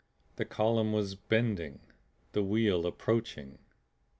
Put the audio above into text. The column was bending; the wheel approaching.